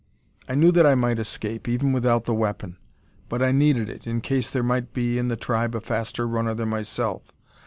I knew that I might escape, even without the weapon; but I needed it, in case there might be in the tribe a faster runner than myself.